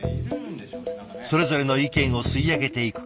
それぞれの意見を吸い上げていく川村さん。